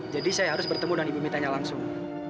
jadi saya harus bertemu dengan ibu mita langsung